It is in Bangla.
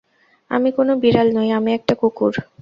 আমি কোন বিড়াল নই, আমি একটা কুকুর।